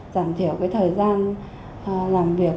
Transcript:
giảm thiểu thời gian làm việc